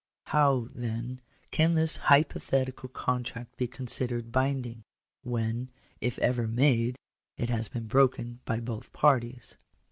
How, then, can this hypothetical contract be considered binding, when, if ever made, it has been broken by both parties?